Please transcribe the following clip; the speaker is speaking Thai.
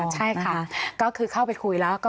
ใช่ค่ะก็คือเข้าไปคุยแล้วก็